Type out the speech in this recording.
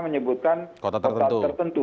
menyebutkan kota tertentu